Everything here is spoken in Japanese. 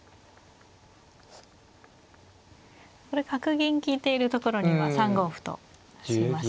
これ角銀利いているところに今３五歩と打ちましたが。